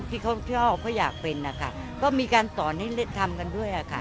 ที่เขาชอบเขาอยากเป็นนะคะก็มีการสอนให้ทำกันด้วยค่ะ